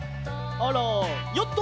あらヨット！